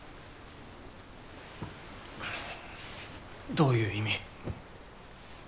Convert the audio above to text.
どういう意味？